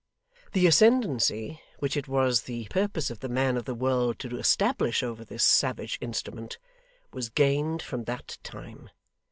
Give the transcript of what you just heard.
The ascendency which it was the purpose of the man of the world to establish over this savage instrument, was gained from that time.